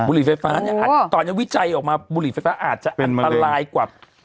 บริไฟฟ้าเห็นน้อยเพราะว่าการวิจัยออกมาอันตรายกว่า